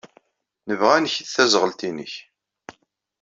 Nebɣa ad nket taẓɣelt-nnek.